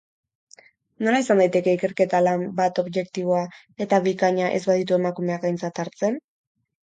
Nola izan daiteke ikerketa-lan bat objektiboa eta bikaina ez baditu emakumeak aintzat hartzen?